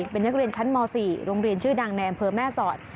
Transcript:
เป็นนักเรียนชั้นม๔โรงเรียนชื่อดังในอำเภอแม่สอด